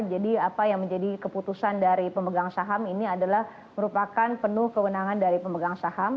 jadi apa yang menjadi keputusan dari pemegang saham ini adalah merupakan penuh kewenangan dari pemegang saham